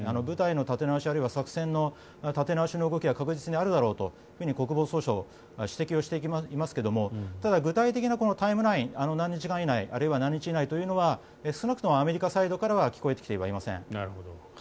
部隊の立て直しあるいは作戦の立て直しの動きは確実にあるだろうと国防総省は指摘をしていますがただ、具体的なタイムライン何日間以内あるいは何時間以内というのは少なくともアメリカサイドからは聞こえてきてはいません。